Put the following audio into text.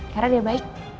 karena dia baik